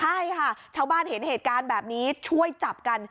ใช่ค่ะชาวบ้านเห็นเหตุการณ์แบบนี้ช่วยจับกัน